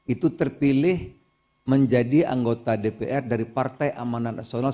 itu terpilih menjadi anggota dpr dari partai amanat nasional